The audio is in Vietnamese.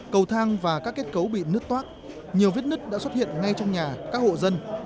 cầu thang và các kết cấu bị nứt toác nhiều vết nứt đã xuất hiện ngay trong nhà các hộ dân